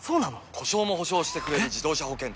故障も補償してくれる自動車保険といえば？